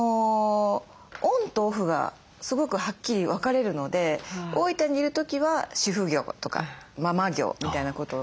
オンとオフがすごくはっきり分かれるので大分にいる時は主婦業とかママ業みたいなこと。